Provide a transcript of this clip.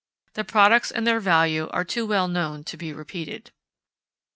The products and their value are too well known to be repeated.